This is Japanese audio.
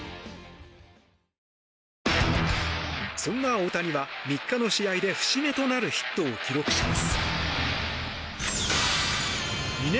そんな大谷は３日の試合で節目となるヒットを記録します。